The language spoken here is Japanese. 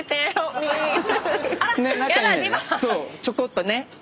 ちょこっとね。